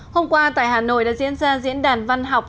hôm qua tại hà nội đã diễn ra diễn đàn văn học